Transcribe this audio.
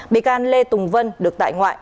bị can lê tùng vân được tại ngoại